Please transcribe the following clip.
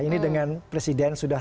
ini dengan presiden sudah